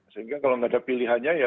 sehingga kalau nggak ada pilihannya ya